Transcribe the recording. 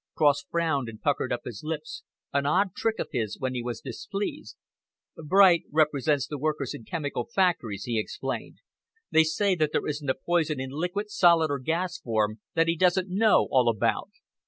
Cross frowned and puckered up his lips, an odd trick of his when he was displeased. "Bright represents the workers in chemical factories," he explained. "They say that there isn't a poison in liquid, solid or gas form, that he doesn't know all about.